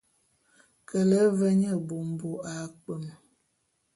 Kele ve nye bômbo a kpwem.